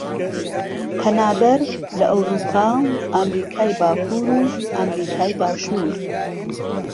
پەنابەر لە ئەورووپا و ئەمریکای باکوور و ئەمریکای باشوور